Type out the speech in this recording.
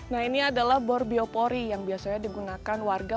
nah ini adalah bor biopori yang biasanya digunakan warga